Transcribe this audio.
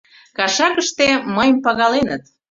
Кашакыште мыйым пагаленыт.